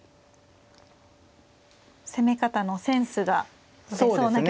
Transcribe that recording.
攻め方のセンスが出そうな局面ですね。